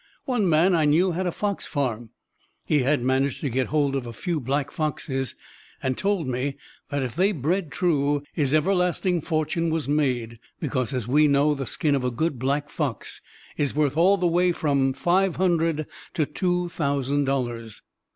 "One man I knew had a fox farm. He had managed to get hold of a few black foxes, and told me that if they bred true his everlasting fortune was made; because, as we know, the skin of a good black fox is worth all the way from five hundred to two thousand dollars."